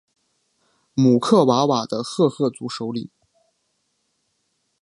姆克瓦瓦的赫赫族首领。